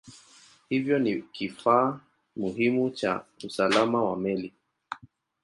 Hivyo ni kifaa muhimu cha usalama wa meli.